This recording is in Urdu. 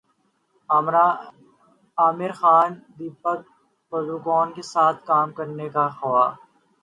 عامرخان دپیکا پڈوکون کے ساتھ کام کرنے کے خواہاں